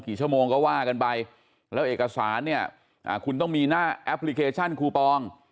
ชั่วโมงก็ว่ากันไปแล้วเอกสารเนี่ยคุณต้องมีหน้าแอปพลิเคชันคูปอง